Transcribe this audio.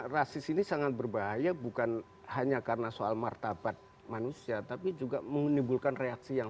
rasis ini sangat berbahaya bukan hanya karena soal martabat manusia tapi juga menimbulkan reaksi yang